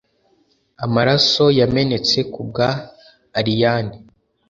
amarasoyamenetse kubwa allayne.